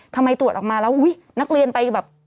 ตรวจออกมาแล้วอุ๊ยนักเรียนไปแบบ